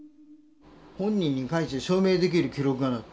本人に関して証明できる記録がない。